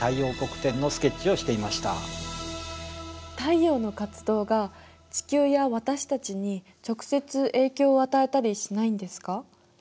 太陽の活動が地球や私たちに直接影響を与えたりしないんですか？